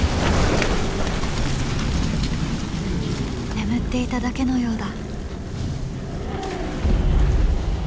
眠っていただけのようだ。